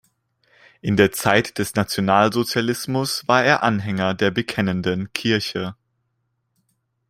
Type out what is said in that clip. In der Zeit des Nationalsozialismus war er Anhänger der Bekennenden Kirche.